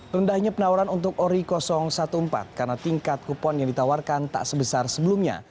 rendahnya penawaran untuk ori empat belas karena tingkat kupon yang ditawarkan tak sebesar sebelumnya